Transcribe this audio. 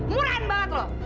murahan banget lu